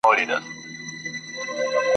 زموږ په برخه چي راغلې دښمني او عداوت وي `